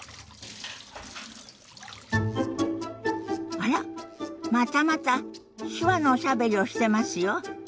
あらまたまた手話のおしゃべりをしてますよ。